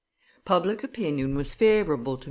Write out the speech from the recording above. Public opinion was favorable to M.